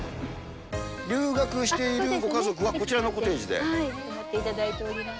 留学しているご家族はこちら泊まっていただいております。